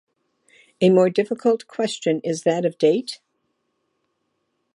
A more difficult question is that of date.